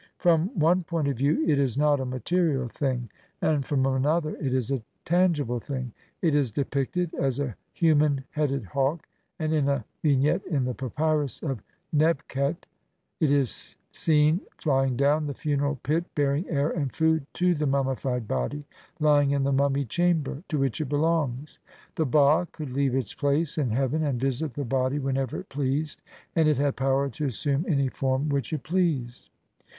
From one point of view it is not a material thing, and from LXXXVIII INTRODUCTION. another it is a tangible thing ; it is depicted as a human headed hawk, and in a Vignette in the Papyrus of Nebqet (ed. Deveria and Pierret, pi. 3) it is seen flying down the funeral pit bearing air and food to the mummified body, lying in the mummy chamber, to which it belongs. The ba could leave its place in heaven and visit the body whenever it pleased, and it had power to assume any form which it pleased.